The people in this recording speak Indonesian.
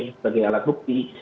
sebagai alat bukti